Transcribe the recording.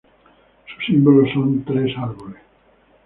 Su símbolo son tres árboles.